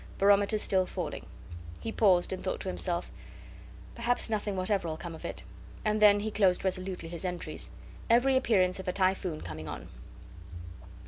Barometer still falling." He paused, and thought to himself, "Perhaps nothing whatever'll come of it." And then he closed resolutely his entries: "Every appearance of a typhoon coming on."